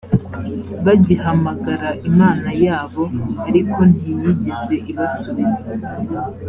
bagihamagara imana yabo. ariko ntiyigeze ibasubiza